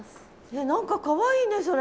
何かかわいいねそれ。